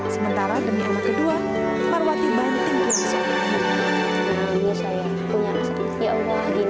sementara demi anak kedua marwati banting ke suami